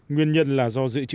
nguyên nhân là do dự trữ